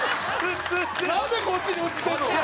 なんでこっちに映ってるの？